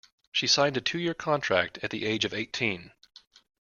She signed a two-year contract at the age of eighteen.